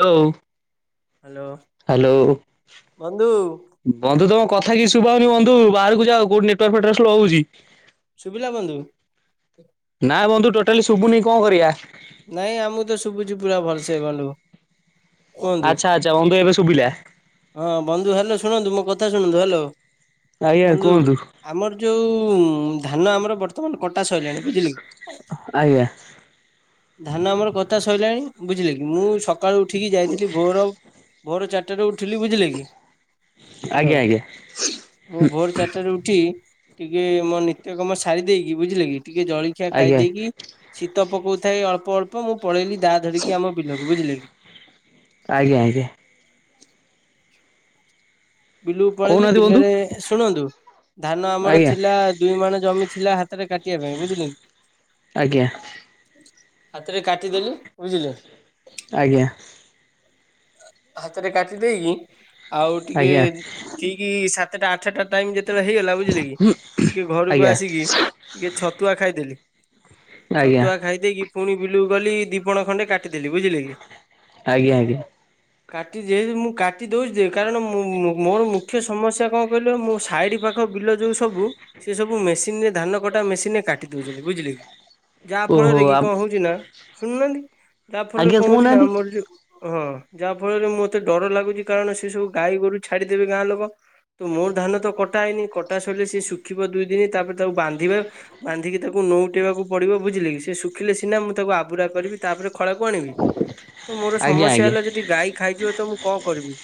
Hello. Hello. Hello. ବନ୍ଧୁ ତମ କଥା କିଛି ଶୁଭାହଉନି ବନ୍ଧୁ ବାହାରକୁ ଯାଅ କୋଉଠି ନେଟୱାର୍କ ଫେଟୱର୍କ ଶ୍ଲୋ ହଉଛି। ଶୁଭିଲା ବନ୍ଧୁ? ନାଁ ବନ୍ଧୁ ଟୋଟାଲି ଶୁଭୁନି କଣ କରିଆ। ନାଇଁ ଆମକୁ ତ ଶୁଭୁଛି ପୁରା ଭଲସେ ବନ୍ଧୁ। କୁହନ୍ତୁ ଆଚ୍ଛା ଆଚ୍ଛା [unintelligible] ଏବେ ଶୁଭିଲା। ହଁ ବନ୍ଧୁ ହ୍ୟାଲୋ ଶୁଣନ୍ତୁ ମୋ କଥା ଶୁଣନ୍ତୁ ହ୍ୟାଲୋ ଆଜ୍ଞା ବନ୍ଧୁ। କୁହନ୍ତୁ। ଆମର ଯୋଉଁ ଧାନ ଆମର ବର୍ତ୍ତମାନ କଟା ସରିଲାଣି ବୁଝିଲେ କି। ଆଜ୍ଞା। ଧାନ ଆମର କତା ସଇଲାଣି ବୁଝିଲେ କି ମୁଁ ସକାଳୁ ଉଠିକି ଯାଇଥିଲି ଭୋର ଭୋର ଚାରିଟାରେ ଉଠିଲି, ବୁଝିଲେ କି ହାଲୋ। ଆଜ୍ଞା ଆଜ୍ଞା ମୁଁ ଭୋର ଚାରିଟାରେ ଉଠି ଟିକେ ମୋ ନିତ୍ୟ କମ ସାରି ଦେଇକି ବୁଝିଲେ କି ଟିକେ ଜଳି ଖିଆ ଖାଇ ଆଜ୍ଞା ଦେଇକି ଶୀତ ପକଉଥାଏ ଅଳ୍ପ ଅଳ୍ପ, ମୁଁ ପଳେଇଲି ଦା ଧରିକି ଆମ ବିଲକୁ ବୁଝିଲେ କି? ଆଜ୍ଞା ଆଜ୍ଞା। ବିଲୁକୁ ପଳେଇଲିି କହୁନାହାନ୍ତି ବନ୍ଧୁ। ବିଲରେ ଶୁଣନ୍ତୁ। ଧାନ ଆମର ଆଜ୍ଞା ଥିଲା ଦୁଇ ମାଣ ଜମି ଥିଲା ହାତରେ କାଟିବା ପାଇଁ ବୁଝିଲେ କି? ଆଜ୍ଞା। ହାତରେ କାଟିଦେଲି ବୁଝିଲେ। ଆଜ୍ଞା। ହାତରେ କାଟି ଦେଇକି ଆଉ ଆଜ୍ଞା ଟିକେ ଆଜ୍ଞା ଠିକି ସାତଟା ଆଠଟା ଟାଇମ ଯେତେବେଳେ ହେଇଗଲା ବୁଝିଲେ କି ଟିକେ ଘରକୁ ଆଜ୍ଞା। ଆସିକି ଟିକେ ଛତୁଆ ଖାଇଦେଲି, ଆଜ୍ଞା ଛତୁଆ ଖାଇଦେଇକି ପୁଣି ବିଲୁକୁ ଗଲି ଦି ପଣ ଖଣ୍ଡେ କାଟିଦେଲି ବୁଝିଲେ କି? ଆଜ୍ଞା କାଟିଚି ମୁଁ କାଟି ଦଉଛି ଯେ କାରଣ [inaudible] ମୋର ମୁଖ୍ୟ ସ ସମସ୍ୟା କଣ କହିଲ ମୋ ସାଇଡ ପାଖ ବିଲ ଯୋଉ ସବୁ ସେ ସବୁ ମେସିନ ରେ ଧାନ କଟା ମେସିନ ରେ କାଟ ଟି ଦଉଛନ୍ତି ବୁଝିଲେ କି ଯାହା ଓହୋ ଫଳରେ କି କଣ ହଉଛି ନା ଶୁଣୁନାହାନ୍ତି। ତା ଫଳରେ ଆଜ୍ଞା କଣ ହଉଛି ନା କହୁନାହାନ୍ତି ଆମର ଯୋଉ ହଁ ଯାହା ଫଳରେ ମତେ ଡର ଲାଗୁଛି କାରଣ ସେ ସବୁ ଗାଈ ଗୋରୁ ଛାଡିଦେବେ ଗାଁ ଲୋକ ତ ମୋ ଧାନ ତ କଟା ହେଇନି କଟା ସଇଲେ ସିଏ ଶୁଖିବ ଦୁଇ ଦିନି ତାପରେ ତାକୁ ବାନ୍ଧିବା ବାନ୍ଧିକି ତାକୁ ନୋଉ ଟେଇବାକୁ ପଡିବ ବୁଝିଲେ କି, ସେ ଶୁଖିଲେ ସିନା ମୁଁ ତାକୁ ଆବୁରା କରିବି। ତାପରେ ଖଳାକୁ ଆଣିବି ତ ମୋର ଆଜ୍ଞା ସମସ୍ୟା ଆଜ୍ଞା। ହେଲା ଯଦି ଗାଈ ଖାଇଯିବ ତ ମୁଁ କଣ କରିବି?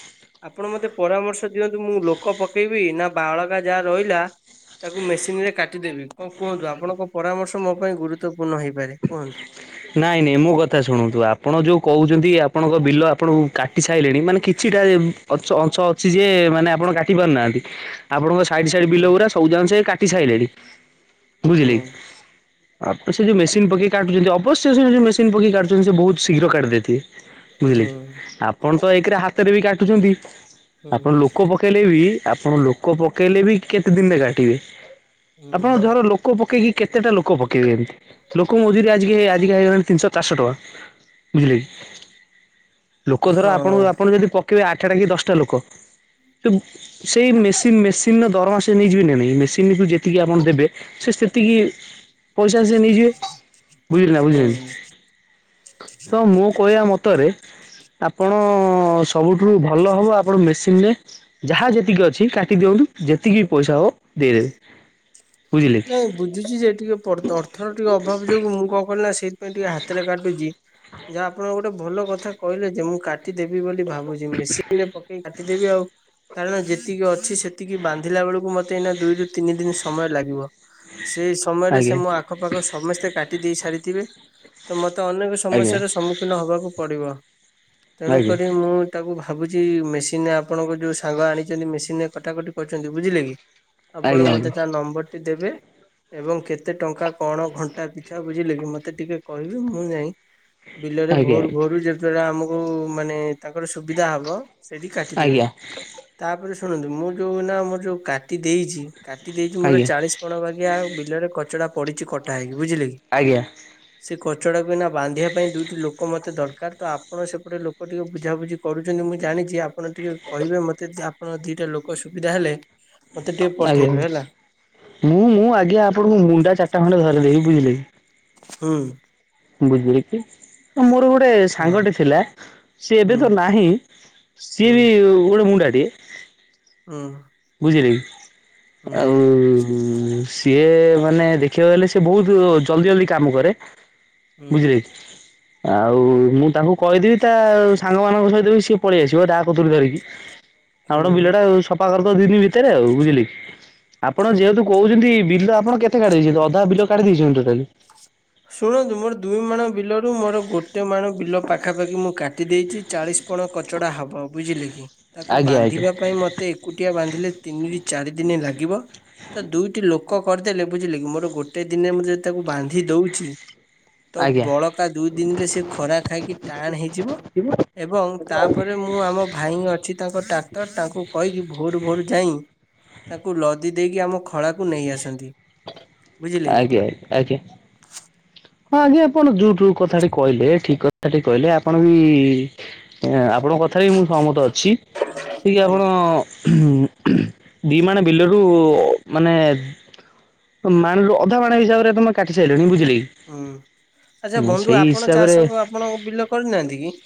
ଆପଣ ମତେ ପରାମର୍ଶ ଦିଅନ୍ତୁ ମୁଁ ଲୋକ ପକେଇବି ନା ବାଳକା ଯାହା ରହିଲା ତାକୁ ମେସିନ ରେ କାଟିଦେବି। କଣ କୁହନ୍ତୁ ଆପଣଙ୍କ ପରାମର୍ଶ ମୋ ପାଇଁ ଗୁରୁତ୍ୱପୂର୍ଣ୍ଣ ହେଇପାରେ କୁହନ୍ତୁ? ନାଇଁ ନାଇଁ ମୋ କଥା ଶୁଣନ୍ତୁ ଆପଣ ଯୋଉ କହୁଛନ୍ତି ଆପଣଙ୍କ ବିଲ ଆପଣ କାଟି ସାଇଲେଣି ମାନେ କିଛିଟା [unintelligible] ଅଛ ଅଂଛ ଅଛି ଯି ମାନେ ଆପଣ କାଟି ପାରୁନାହାନ୍ତି। ଆପଣଙ୍କ ସାଇଡ ସାଇଡ ହୁଁ ବିଲଉରା ସବୁଯାକ ସେ କାଟି ସାଇଲେଣି ହୁଁ ବୁଝିଲେ କି ଆ ପ ସେ ଯୋଉ ମେସିନ ପକେଇ କାଟୁଛନ୍ତି ଅବ ସେ ସେମିତ ମେସିନ ପକେଇ କାଟୁଛନ୍ତି ସେ ବହୁତ ଶୀଘ୍ର କାଟିଦେଇଥିବେ। ବୁଝିଲେ ହୁଁ ଆପଣ ତ ଏକରେ ହାତରେ ବି କାଟୁଛନ୍ତି ହୁଁ ଆପଣ ଲୋକ ପ ପକେଇଲେ ବି ଆପଣ ଲୋକ ପକେଇଲେ ବି କେତେ ଦିନରେ କାଟିବେ ଆପଣ ହୁଁ ଧର ଲୋକ ଲୋକ ପକେଇକି କେତେଟା ଲୋକ ପକେଇବେ ବି ଲୋକ ମଜୁରି ଆଜିକି ଆ ହେଇଗଲାଣି ତିନିଶହ ଚାରିଶହ ଟଙ୍କା ବୁଝିଲେ କି ଲୋକ ଧର ଆପଣଙ୍କୁ ହଁ ଆପଣ ଯଦି ପ କେଇବେ ଆଠଟା କି ଦଶଟା ଲୋକ ସେଇ ମେସିନ୍ ମେସିନ ସିନ ଦରମା ସେ ନେଇ ଯିବେ ନା ନାଇ ମେସ ମେସିନ କୁ ଯେତିକି ଆପଣ ଦେବେ ସେ ସେତିକି ପଇସା ସେ ନେଇଯିବେ। ବୁଝିଲେ ନା ହୁଁ। ବୁଝିଲକି ତ ମୁଁ କହିବା ମତରେ ଆପଣ ସବୁଠୁ ଭଲ ହବ ଆପଣ ମେସିନ ରେ ଯାହା ଯେତିକି ଅଛି କାଟି ଦିଅନ୍ତୁ ଯେତିକି ବି ପଇସା ହବ ଦେଇଦେବେ। ବୁଝିଲେ କି [unintelligible] ବୁଝୁଛି ଯେ ଟିକେ ପ ଅର୍ଥର ଟିକେ ଅଭାବ ଯୋଗୁ ମୁଁ କଣ କଲିି ନା ସେଇଥିାଇଁ ଟିକେ ହାତରେ କାଟୁଛି ଯାହା ଆପଣ ଗୋଟେ ଭଲ କଥା କହିଲେ ଯେ ମୁଁ କା କାଟିଦେବି ବୋଲି ଭାବୁଛି ମେସିନରେ ପକେଇ କାଟିଦେବି ଆଉ କାରଣ ଯେତିକି ଅ ଅଛି ସେତିକି ବାନ୍ଧିଲା ବେଳକୁ ମତେ ଏଇନା ଦୁଇ ରୁ ତିନି ଦିନ ସମୟ ଲାଗିବ। ସେଇ ସମୟରେ ସେ ଆଜ୍ଞା ମୋ ଆଖପାଖ ସମସ୍ତେ କାଟି ଦେଇ ସାରିଥିବେ। ତ ମତେ ଅନେକ ଆଜ୍ଞା ସମସ୍ୟାର ସମ୍ମୁଖୀନ ହବାକୁ ପଡିବ ଆଜ୍ଞା ତେଣୁକରି ମୁଁ ତାକୁ ଭାବୁଛି ମେସିନରେ ଆପଣଙ୍କ ଯୋଉ ସାଙ୍ଗ ଆଣିଛନ୍ତି ମେସିନରେ କଟାକଟି କରୁଛନ୍ତି ବୁଝିଲେ କି ଆପଣ ଆଜ୍ଞା ମତେ ତା ନମ୍ବରଟି ଦେବେ ଏବଂ କେତେ ଟଙ୍କା କ'ଣ ଘଣ୍ଟା ପିଛା ବୁଝିଲେ କି ମତେ ଟିକେ କହିବେ ମୁଁ ଯାଇଁ ବିଲରେ ଆଜ୍ଞା ଆଜ୍ଞା ଭୋରୁ ଭୋରୁ ଯେତଦ୍ବାରା ଆମକୁ ମାନେ ତାଙ୍କର ସୁବିଧା ହବ ସେଇଠି କାଟିଦେବେ। ଆଜ୍ଞା ତାପରେ ଶୁଣନ୍ତୁ ମୁଁ ଯୋଉ ନା ମୋର ଯୋଉ କାଟି ଦେଇଛି କାଟି ଦେଇଛି ମୋର ଆଜ୍ଞା ତେଇଶି ବାଗିଆ ବିଲରେ କଚଡା ପଡିଛି କଟା ହେଇକି ବୁଝିଲେ କି ଆଜ୍ଞା ସେ କଚଡାକୁ ଏଇନା ବାନ୍ଧିବା ପାଇଁ ଦୁଇଟି ଲୋକ ମତେ ଦରକାର ତ ଆପ ଆପଣ ସେପଟେ ଲୋକ ଟିକେ ବୁଝାବୁଝି କରୁଛନ୍ତି ମୁଁ ଜାଣିଛି ଆପଣ ଟିକିେ କହିବେ ମୋତେ ଆପଣ ଦିଟା ଲୋକ ସୁବିଧା ହେଲେ ମତେ ଟିକେ ଆଜ୍ଞା ପଠେଇବେ ହେଲା ମୁଁ ମୁଁ ଆଜ୍ଞା ଆପଣଙ୍କୁ ମୁଣ୍ଡା ଚାରିଟା ଖଣ୍ଡେ ଧରେଇ ଦେବି ବୁଝିଲେକି ହୁଁ ବୁଝଲେ କିି ମୋର ଗୋଟେ ହଁ ସାଙ୍ଗଟି ଥିଲା ସିଏ ହୁଁ ଏବେ ତ ନାହିଁ ସିଏ ହୁଁ ବି ଗୋଡେ ମୁଣ୍ଡା ଟିଏ। ହୁଁ ବୁଝିଲେକି ହୁଁ ଆଉ ଉ ସିଏ ମାନେ ଦେଖିବାକୁ ଗଲେ ସିଏ ବହୁତ ଜଲଦି ଜଲଦି କାମ କରେ। ହୁଁ ବୁଝଲେକି ଆଉ ମୁଁ ତାଙ୍କୁ କହିଦେବି ତା ସାଙ୍ଗମାନଙ୍କ ସହିତ ବି ସିଏ ପଳେଇ ଆସିବ ଦା କତୁରୀ ଧରିକି। ଆଉ ଗୋଟେ ହୁଁ। ବିଲ ଟା ସଫା କରିଦବ ଦି ଦିନ ଭିତରେ ଆଉ ବୁଝିଲି କି ଆପଣ ଯେହେତୁ କହୁଛନ୍ତି ବିଲ ଆପଣ କେତେ କାଢିଦେଇଛନ୍ତି ଅଧା ବିଲ କାଢି ଦେଇଛନ୍ତି ଟୋଟାଲି। ଶୁଣନ୍ତୁ ମୋର ଦୁଇ ମାଣ ବିଲ ରୁ ମୋର ଗୋଟେ ମାଣ ବିଲ ପାଖା ପାଖି ମୁଁ କାଟି ଦେଇଛି ଚାଳିଶ ପଣ କଚଡା ହବ ବୁଝିଲେ କି ତାକୁ ଆଜ୍ଞା ଆଜ୍ଞା ବାନ୍ଧିବା ପାଇଁ ମତେ ଏକୁଟିଆ ବାନ୍ଧିଲେ ତିନିରୁ ଚାରି ଦିନ ଲାଗିବ ତ ଦୁଇଟି ଲୋକ କରିଦେଲେ ବୁଝିଲେକି ମୋର ଗୋଟେ ଦିନେ ମୁଁ ଯଦି ତାକୁ ବାନ୍ଧି ଦୋଉଛି ତ ଆଜ୍ଞା। ବଳକା ଦୁଇ ଦିନରେ ସେ ଖରା ଖାଇକି ଟାଣ ହେଇଯିବ। ଏବଂ ଆଜ୍ଞା ତାପରେ ମୁଁ ଆମ ଭାଇ ଅଛି ତାଙ୍କ ଟ୍ରାକ୍ଟର ତାଙ୍କୁ କହିକି ଭୋରୁ ଭୋରୁ ଯାଇ ତାକୁ ଲଦି ଦେଇକି ଆମ ଖଳାକୁ ନେଇ ଆସନ୍ତି। ବୁଝିଲେ କି? ଆଜ୍ଞ ଆଜ୍ଞା ହଁ ଆଜ୍ଞା ଆପଣ ଯୋଉ ଯୋଉ କଥା କହିଲେ ଠିକ କଥାଟି କହିଲେ ଆପଣ ବି ଆପଣଙ୍କ କଥାରେ ମୁଁ ସହମତ ଅଛି କି କି ଆପଣ ଆଜ୍ଞା। ହିଁ ଦି ମାଣ ବିଲରୁ ମାନେ ମାଣରୁ ଅଧା ମାଣ ହିସାବରେ ତମେ କାଟି ସାଇଲଣି ବୁଝିଲେ କି ହୁଁ ଆଚ୍ଛା ବନ୍ଧୁ ସେଇ ଆପଣ ହିସାବରେ ଚାଷ ଆପଣ ବିଲ କରିନାହାନ୍ତି କି?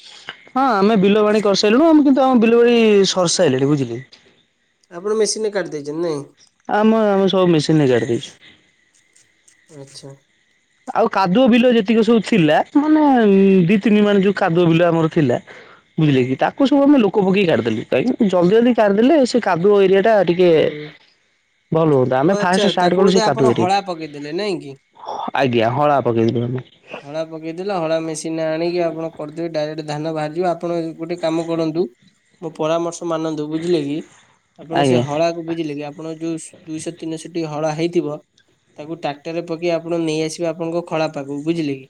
ହଁ ଆମେ ବିଲ ବାଡ଼ି କରି ସାଇଲୁଣି ଆମେ କିନ୍ତୁ ଆମ ବିଲ ବାଡ଼ି ସର୍ ସାଇଲାଣି ବୁଝିଲେ ଆପଣ ମେସିନ୍ ରେ କାଟିି ଦେଇେଇଛନ୍ତି ନାହିଁ। ଆମ ଆମ ସବୁ ମେସିନ୍ ରେ କାଟି ଦେଇଛୁ। ଆଛା ଆଉ କାଦୁଅ ବିଲ ଯେତିକି ସବୁ ଥିଲା ମାନେ ଦି ତିନି ମାଣ ଯୋଉ କାଦୁଅ ବିଲ ଆମର ଥିଲା ବୁଝିଲେ ହୁଁ କି ତାକୁ ସବୁ ଆମେ ଲୋକ ପକେଇ କାଢିଦେଲୁ କାହିଁକି ଜଲଦି ଜଲଦି କାଢି ଦେଲେ ସେ କାଦୁଅ ଏରିଆଟା ଟିକେ ହୁଁ ଭଲ ହୁଅନ୍ତା ଓ ଆମେ ଆଚ୍ଛା ଫାଷ୍ଟ ତାକୁ ଷ୍ଟାର୍ଟ କଲୁ ସେ ବୋଧେ ଆପଣ କାଦୁଅରେ ହଳା ପକେଇଦେଲେ ନାଇଁ କି ଆଜ୍ଞା ହଳା ପକେଇଦେବି ମୁଁ ହଳା ପକାଇଦେଲେ ହଳା ମେସିନ ଆଣିକି ଆପଣ କରିଦେବେ ଡାଇରେକ୍ଟ ଧାନ ବାହାରଯିବ ଆପଣ ଗୋଟେ କାମ କରନ୍ତୁ ମୋ ପରାମର୍ଶ ମାନନ୍ତୁ ବୁଝିଲେ କି ଆପଣ ସେ ଆଜ୍ଞା ହଳାକୁ ବୁଝିଲେ କି ଆପଣଙ୍କ ଯୋଉ ଦୁଇଶହ ତିନିଶହଟି ହଳା ହେଇଥିବ ତାକୁ ଟ୍ରାକ୍ଟରରେ ପକେଇ ଆପଣ ନେଇଆସିବେ ଆପଣଙ୍କ ଖଳା ପାଖକୁ ବୁଝିଲେ କି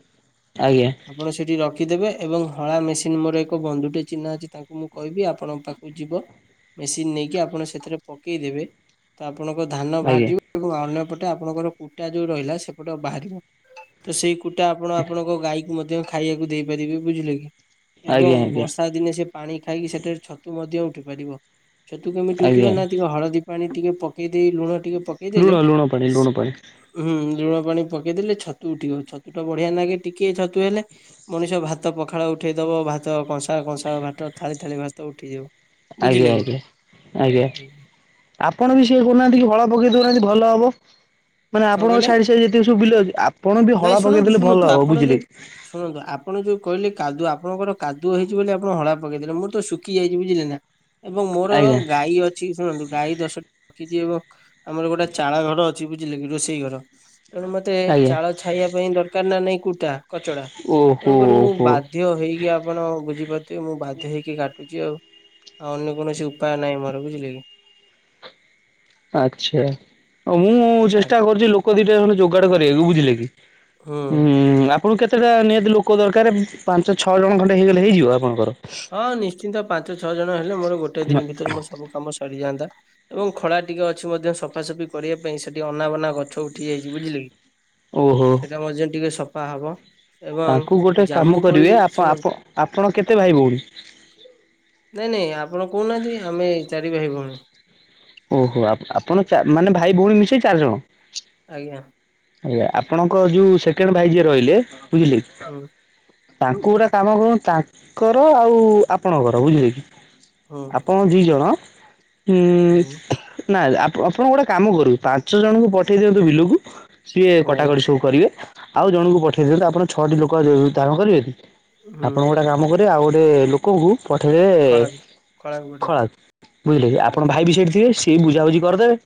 ଆଜ୍ଞା ଆପଣ ସେଠି ରଖିଦେବେ ଏବଂ ହଳା ମେସିନ ମୋର ଏକ ବନ୍ଧୁଟେ ଚିହ୍ନା ଅଛି ତାଙ୍କୁ ମୁଁ କହିବି ଆପଣଙ୍କ ପାଖକୁ ଯିବ ମେସିନ ନେଇକି ଆପଣ ସେଥିରେ ପକେଇଦବେ ତ ଆପଣଙ୍କ ଧାନ ଆଜ୍ଞା ବାହାରିଯିବ ଏବଂ ଅନ୍ୟପଟେ ଆପଣଙ୍କର କୁଟା ଯୋଉ ରହିଲା, ସେପଟ ଆଉ ବାହାରିବନି। ତ ସେଇ କୁଟା ଆପଣ ଆପଣଙ୍କ ଗାଈକୁ ମଧ୍ୟ ଖାଇବାକୁ ଦେଇପାରିବେ, ବୁଝିଲେ କି ଏବଂ ଆଜ୍ଞା ଆଜ୍ଞା ବର୍ଷା ଦିନେ ସେ ପାଣି ଖାଇକି ସେଠାରେ ଛତୁ ମଧ୍ୟ ଉଠି ପାରିବ। ଛତୁ କେମିତି ଉଠିବ? ଆଜ୍ଞା ନା ଟିକେ ହଳଦୀ ପାଣି ଟିକେ ପ କେଇ ଦେଇ, ଲୁଣ ଟିକେ ଲୁଣ ପକେଇଦେଲେ ଲୁଣ ପାଣି ଲୁଣ ପାଣି ହୁଁ, ଲୁଣ ପାଣି ପକେଇଦେଲେ ଛତୁ ଉଠିବ। ଛତୁ ତୁଟା ବଢିଆ ନାଗେ। ଟିକେ ଛତୁ ହେଲେ ମଣିଷ ଭାତ ପଖାଳ ଉଠେଇ ଦବ, ଭାତ କଂସା କଂସା କଂସା ଭାଟ ଥାଳି ଥାଳି ଭାତ ଉଠିଯିବ। ଆଜ୍ଞା, ବୁଝିଲେ କି ଆଜ୍ଞା, ଆଜ୍ଞା। ଆପଣ ବି ସେୟା କରୁନାହାଁନ୍ତି କି, ହଳା ପକେଇ ଦଉନାହାଁନ୍ତି ଭଲ ହବ। ମାନେ କଣ ଆପଣଙ୍କ କହିଲେ? ସାଇଡ୍ ସାଇଡ୍ ଯେତିକି ସବୁ ବିଲ ଅଛି। ଆପଣ ବି ନାଇଁ ହଳା ପକେଇ ଶୁଣନ୍ତୁ ଦେଲେ ଶୁଣନ୍ତୁ ଭଲ ହବ, ଆପଣ ଯୋଉ ବୁଝିଲେ କି? ଶୁଣନ୍ତୁ ଆପଣ ଯୋଉ କହିଲେ କାଦୁଅ, ଆପଣଙ୍କର କାଦୁଅ ହେଇଛି ବୋଲି ଆପଣ ହଳା ପକେଇ ଦେଲେ। ମୋର ତ ଶୁଖିଯାଇଛି ବୁଝିଲେ ନା ଏବଂ ମୋର ଆଜ୍ଞା ଗାଈ ଅ ଛି ଶୁଣନ୍ତୁ, ଗାଈ ଦଶଟି ରଖିଛି ଏବଂ ଆମର ଗୋଟେ ଚାଳ ଘର ଅଛି, ବୁଝ ଝିଲେ କି, ରୋଷେଇ ଘର। ତେଣୁ ମତେ ତେ ଆଜ୍ଞା ଚାଳ ଛାଇଆ ପାଇଁ ଦରକାର ନା ନାଇଁ, କୁଟା, କଚଡା। ଓହୋ ତେଣୁକରି ମୁଁ ବାଧ ଓହୋ ବାଧ୍ଯ ହେଇକି ଆପଣ ବୁଝିପାରୁଥିବେ, ମୁଁ ବାଧ୍ୟ ହେଇକି କାଟୁଚି ଆଉ। ଆଉ ଅନ୍ୟ କୌଣସି ଉପାୟ ନାହିଁ ମୋର, ବୁଝିଲେ କି? ଆଚ୍ଛା। ଆଉ ମୁଁ ଚେଷ୍ଟା ଆଜ୍ଞା କରୁଛି ଲୋକ ଦିଟା ଖଣ୍ଡେ ଯୋଗାଡ କରିବାକୁ, ବୁଝିଲେ କି? ହୁଁ, ଆପ୍ ଆପଣଙ୍କୁ କେତେଟା ନିହାତି ଲୋକ ଦରକାର, ପାଞ୍ଚ ଛଅ ଜଣ ଖଣ୍ଡେ ହେଇଗଲେ ହେଇଯିବ ଆପଣଙ୍କର? ହଁ, ନିଶ୍ଚିନ୍ତ। ପାଞ୍ଚ ଛଅ ଜଣ ହେଲେ ମୋର ଗୋଟାଇ ଦିନ ଭିତରେ ମୋର ସବୁ କାମ ସରିଯାଆନ୍ତା। ଏବଂ ଖଳା ଟିକେ ଅଛି ମଧ୍ୟ ସଫାସଫି କରିବା ପାଇଁ, ସେଠି ଅନାବନା ଗଛ ଉଠି ଯାଇଛି, ବୁଝିଲେ କି? ଓହୋ ସେଇଟା ମଧ୍ୟ ଟିକେ ସଫା ହବ। ତାଙ୍କୁ ଏବଂ ଗୋଟେ କାମ ଜାମୁ କୋଳି କରିବେ, ଶୁଣନ୍ତୁ ଆପ-ଆପ-ଆପଣ କେତେ ଭାଇ ଭଉଣୀ? ନାଇଁ ନାଇଁ, ଆପଣ କହୁନାହାଁନ୍ତି, ଆମେ ଚାରି ଭାଇ ଭଉଣୀ। ଓହୋ। ଆପ-ଆପଣ ଚାର ମାନେ ଭାଇ ଭଉଣୀ ମିଶେଇ ଚାରିଜଣ? ଆଜ୍ଞା। ଆଜ୍ଞା। ଆପଣଙ୍କ ଯୋଉ ସେକେଣ୍ଡ ଭାଇ ଯିଏ ରହିଲେ, ବୁଝିଲେ କି? ହୁଁ ତାଙ୍କୁ ଗୋଟେ କାମ କରନ୍ତୁ, ତାଙ୍କର ଆଉ ଆପଣଙ୍କର ବୁଝିଲେ କି ହୁଁ ଆପଣ ଦିଜଣ ଉମ୍ ହୁଁ ନାଇରେ ଆପ-ଆପଣ ଗୋଟେ କାମ କରିବେ, ପାଞ୍ଚ ଜଣଙ୍କୁ ପଠେଇ ଦିଅନ୍ତୁ ବିଲକୁ ସିଏ ଆଜ୍ଞା। କଟାକଟି ସବୁ କରିବେ, ଆଉ ଜଣଙ୍କୁ ପଠେଇ ଦିଅନ୍ତୁ ଆପଣ ଛଅଟି ଲୋକ ଧା-ଧାରଣ କରିବେ ଟି? ହୁଁ ଆପଣ ଗୋଟାଏ କାମ କରିବେ ଆଉ ଗୋଟିଏ ଲୋକଙ୍କୁ ପଠେଇଦେବେ ଖଳାକୁ ଗୋଟେ ଦେ ଖଳାକୁ। ବୁଝିଲେ କି, ଆପଣ ଆଜ୍ଞା ଭାଇ ବି ସେଇଠି ଥିବେ ସେ କି ବୁଝାବୁଝି କରିଦେବେ,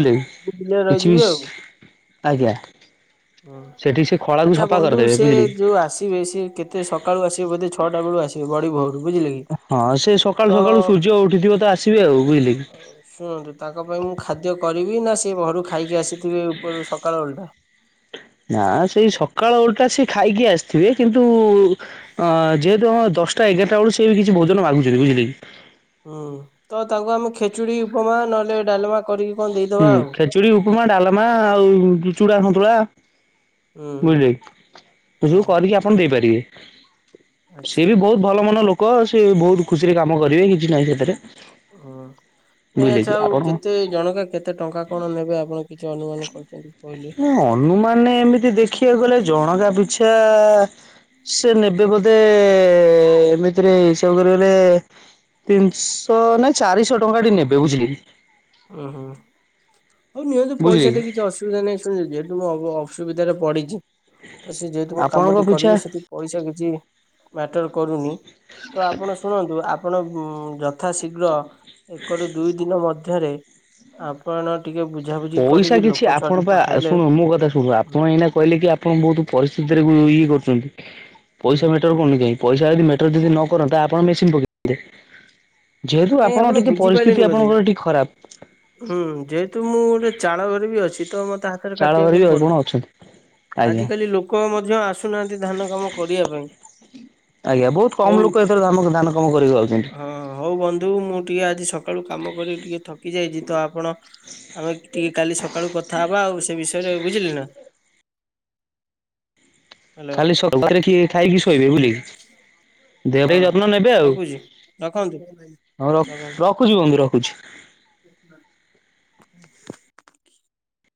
ହୁଁ କି? ମୁଁ ବିଲରେ କିଛି ରହିଯିବି ବି ଆଉ ଆଜ୍ଞା। ହୁଁ। ସେଠି ସେ ଖଳାକୁ ଆଚ୍ଛା ସଫା ବନ୍ଧୁ, କରିଦେବେ ସେ ବୁଝିଲେ କି। ଯୋଉ ଆସିବେ, ସେ କେତେ ସକାଳୁ ଆସିବେ ବୋଧେ ଛଅଟାବେଳୁ ଆସି ବେ ବଡି ଭୋରୁ ବୁଝିଲେ କି ହଁ, ସେ ସକାଳୁ ସକାଳୁ ତ ସୂର୍ଯ୍ୟ ଉଠିଥିବ ତ ଆସିବେ ଆଉ ବୁଝିଲେ କି? ଶୁଣନ୍ତୁ। ତାଙ୍କ ପାଇଁ ମୁଁ ଖାଦ୍ୟ କରିବି ନା, ସେ ଘରୁ ଖାଇକି ଆସିଥିବେ ଉପର ସକାଳ ଓଳିଟା? ନା, ସେଇ ସକାଳ ଓଳିଟା ସିଏ ଖାଇକି ଆସିଥିବେ, କିନ୍ତୁ ଅଁ ଯେହେତୁ ହଁ ଦଶଟା ଏଗାରଟା ବେଳୁ ସିଏ ବି କିଛି ଭୋଜନ ମାଗୁଛନ୍ତି, ବୁଝିଲେ କି? ହୁଁ, ତ ତାଙ୍କୁ ଆମେ ଖେଚୁଡି, ଉପମା, ନହେଲେ ଡାଲମା କରିକି କଣ ହୁଁ। ଦେଇଦବା ଆଉ। ଖେଚୁଡି, ଉପମା, ଡାଲମା ଆଉ ଚୁଡ଼ା ସନ୍ତୁଳା ହୁଁ ବୁଝିଲେ କି, ସେସବୁ ହଉ କରିକି ଆପଣ ଦେଇପାରିବେ। ଆଚ୍ଛା ସିଏ ବି ବହୁତ ଭଲ ମନ ଲୋକ, ସିଏ ବହୁତ ଖୁସିରେ କାମ କରିବେ, କିଛି ନାହିଁ ସେଥିରେ ହୁଁ। ନାଇଁ ବୁଝିଲେ କି ଆଚ୍ଛା ଆଉ ଆପଣ କେତେ ଜଣକା କେତେ ଟଙ୍କା କଣ ନେବେ ଆପଣ କିଛି ଅନୁମାନ କରି ରିକି କହିଲେ? ଅନୁମାନେ ଏମିତି ଦେଖିବାକୁ ଗଲେ, ଜଣକା ପିଛା ସେ ନେବେ ବୋଧେ, ଏମିତିରେ ହିସାବ କରିବାକୁ ଗଲେ ତିନିଶ ନାଇଁ ଚାରିଶ ଟଙ୍କା ଏଠି ନେବେ ବୁଝିଲେ କି? ଉଁ ହୁଁ ହଉ ନିଅନ୍ତୁ ବୁଝିଲେ ପଇସା ଟେ କି କିଛି ଅସୁବିଧା ନାହିଁ ଯେହେତୁ ମୁଁ ଅ ଅସୁବିଧାରେ ପଡିଛି ତ ସେ ଯେହେତୁ ମୋ କାମ ଆପଣଙ୍କ ଟି ପିଛା କରିବି ସେଠି ପଇସା କିଛି ମ୍ୟାଟର କରୁନି ତ ଆପଣ ଶୁଣନ୍ତୁ ଆପଣ ଉଁ ଜ ଯଥା ଶୀଗ୍ର ଏକରୁ ଦୁଇ ଦିନ ମଧ୍ୟରେ ଆପଣ ଟିକେ ବୁଝାବୁଝି ପଇସା କରିକି କିଛି ଲୋକ ଛୁଆ ଆପଣ ଟ ପା ପଠାଇଲେ ଶୁଣ ମୋ କଥା ଶୁଣୁ ଆପଣ ଏଇନା କହିଲେ କି ଆପଣ ବହୁତ୍ ପରିସ୍ଥିତିରେ ଉ ଇଏ କରୁଛନ୍ତି ହୁଁ। ପଇସା ମ୍ୟାଟର କରୁନି କାଇଁ ପଇସା ଯଦି ମେଟର ଯଦି ନ କରନ୍ତା ଆପଣ ମେସିନ୍ ପକେଇ ଦି ନ୍ତେ ଯେହେତୁ ଆପଣ ଟିକେ ପରିସ୍ଥିତି ଆପଣଙ୍କର ଟିକେ ଖରାପ୍। ଉଁ ଯେହେତୁ ମୁଁ ଗୋଟେ ଚାଳ ଘରେବି ଅଛି ତ ମୋତେ ହା ହାତରେ ଚାଳ ଘରେ କାଟିବାକୁ ହିଁ ବି ଆପଣ ପଡ଼ୁଛି ଅଛନ୍ତି ଆଜ୍ଞା। ଆଜିକାଲି ଲୋକ ମଧ୍ୟ ଆସୁନାହାଁନ୍ତି ଧାନ କାମ କରିବା ପାଇଁ। ଆଜ୍ଞା ବହୁତ୍ ହଉ କମ୍ ଲୋକ ଏଥର ଧାନ ଧାନ କାମ କରିବାକୁ ଯାଉଛନ୍ତି। ହଁ ହଉ ବନ୍ଧୁ ମୁଁ ଟିକେ ଆଜି ସକାଳୁ କାମ କରିକି ଟିକେ ଥକି ଯାଇଛି ତ ଆପଣ ଆମେ ଟିକେ କାଲି ସକାଳୁ କଥା ହବା ଆଉ ସେ ବିଷୟରେ ବୁଝିଲେ ନାଁ? ହ୍ୟାଲୋ ଖାଲି ସକାଳେ କିଏ ଖାଇକି ଶୋଇବେ ହୁଁ ବୁଲି। ହଁ ରଖୁଛି ରଖନ୍ତୁ ହଉ ରଖନ୍ତୁ। ରଖୁଛି ବୁନ୍ଧୁ ରଖୁଛି। [unintelligible]